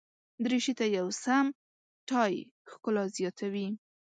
دریشي ته یو سم ټای ښکلا زیاتوي.